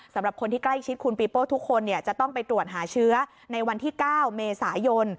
สำหรับคนที่ใกล้ชิดคุณปีโป้ทุกคนจะต้องไปตรวจหาเชื้อในวันที่๙เมษายน